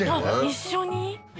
一緒に？